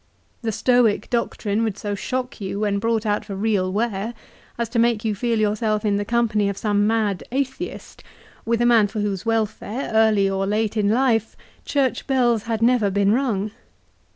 The Stoic doctrine would so shock you, when brought out for real wear, as to make you feel yourself in the company of some mad Atheist, with a man for whose welfare, early or late in life, church bells had never been rung.